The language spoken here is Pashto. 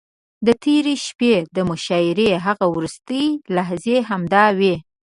د تېرې شپې د مشاعرې هغه وروستۍ لحظې همداوې.